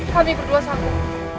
kami berdua sanggup